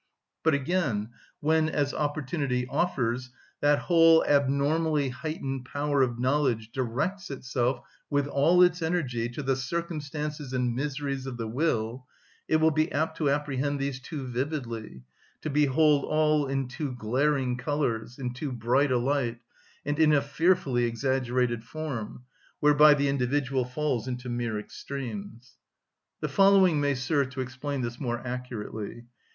But, again, when, as opportunity offers, that whole abnormally heightened power of knowledge directs itself with all its energy to the circumstances and miseries of the will, it will be apt to apprehend these too vividly, to behold all in too glaring colours, in too bright a light, and in a fearfully exaggerated form, whereby the individual falls into mere extremes. The following may serve to explain this more accurately.